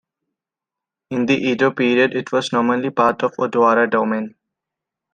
In the Edo period, it was nominally part of Odawara Domain.